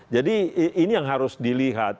jadi ini yang harus dilihat